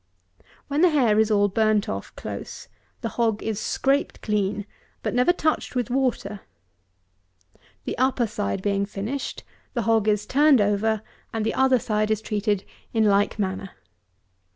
When the hair is all burnt off close, the hog is scraped clean, but never touched with water. The upper side being finished, the hog is turned over, and the other side is treated in like manner.